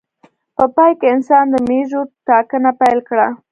په پای کې انسان د مېږو ټاکنه پیل کړه.